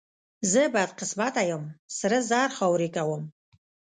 زه بدقسمته یم، سره زر خاورې کوم.